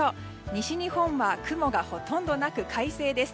西日本は雲がほとんどなく快晴です。